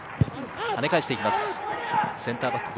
跳ね返してきます。